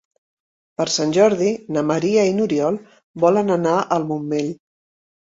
Per Sant Jordi na Maria i n'Oriol volen anar al Montmell.